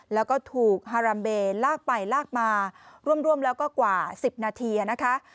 แล้วก็ถูกฮารัมเบย์ลากไปลากมาร่วมแล้วก็กว่า๑๐นาทีนะคะ